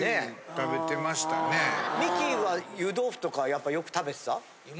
ミキは湯豆腐とかやっぱよく食べてた？